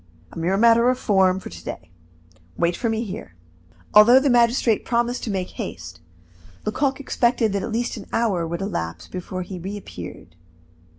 A mere matter of form for to day. Wait for me here." Although the magistrate promised to make haste, Lecoq expected that at least an hour would elapse before he reappeared.